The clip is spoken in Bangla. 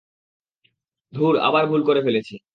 ধুর, আবার ভুল করে ফেলেছি।